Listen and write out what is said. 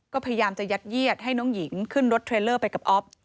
ก็พยายามจะยัดเยียดให้น้องหญิงขึ้นรถเทรลเลอร์ไปกับอ๊อฟ